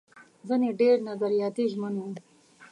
ځينې ډېر نظریاتي ژمن وو.